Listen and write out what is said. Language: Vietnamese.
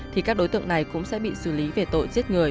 thì các đối tượng này cũng sẽ bị xử lý về tội giết người